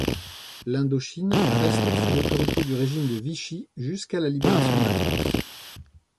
L'Indochine reste sous l'autorité du régime de Vichy jusqu'à la libération de la France.